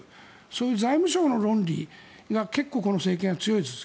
そういう財務省の論理が結構この政権は強いです。